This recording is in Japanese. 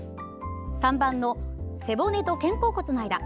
３番の背骨と肩甲骨の間。